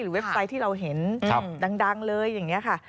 เว็บไซต์ที่เราเห็นดังเลยอย่างนี้ค่ะ